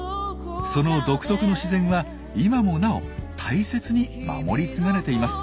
その独特の自然は今もなお大切に守り継がれています。